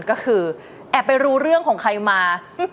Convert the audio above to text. ก็คือแอบไปรู้เรื่องของใครมา